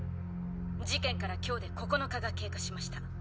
事件から今日で９日が経過しました。